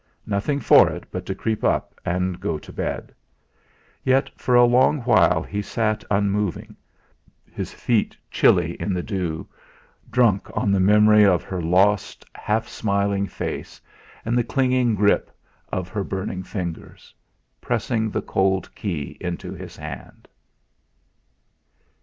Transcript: Nothing for it but to creep in and go to bed; yet for a long while he sat unmoving, his feet chilly in the dew, drunk on the memory of her lost, half smiling face, and the clinging grip of her burning fingers, pressing the cold key into his hand.